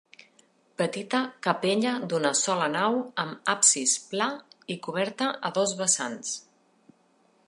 Petita capella d'una sola nau amb absis pla i coberta a dos vessants.